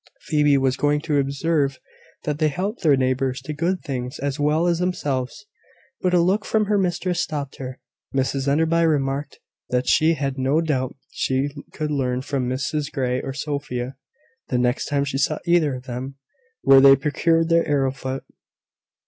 Phoebe was going to observe that they helped their neighbours to good things as well as themselves; but a look from her mistress stopped her. Mrs Enderby remarked that she had no doubt she could learn from Mrs Grey or Sophia, the next time she saw either of them, where they procured their arrowroot.